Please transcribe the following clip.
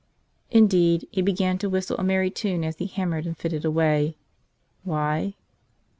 Indeed, he began to whistle a merry tune as he hammered and fitted away. Why?